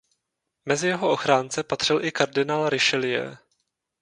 Mezi jeho ochránce patřil i kardinál Richelieu.